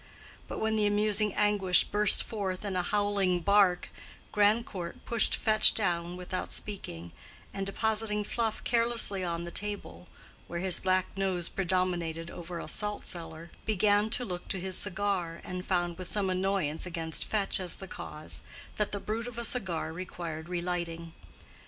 But when the amusing anguish burst forth in a howling bark, Grandcourt pushed Fetch down without speaking, and, depositing Fluff carelessly on the table (where his black nose predominated over a salt cellar), began to look to his cigar, and found, with some annoyance against Fetch as the cause, that the brute of a cigar required relighting.